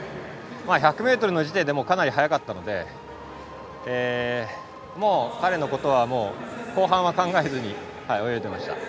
１００ｍの時点でかなり速かったので彼のことは後半考えずに泳いでいました。